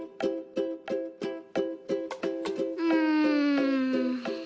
うん。